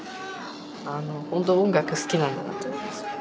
あの本当音楽好きなんだなと思いました。